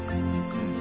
うん。